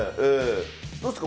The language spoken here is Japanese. どうですか？